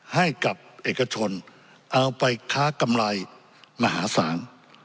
ให้กับเอกชนเอาไปค้ากำไรมหาศาล